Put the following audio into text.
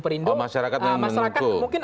perindo masyarakat mungkin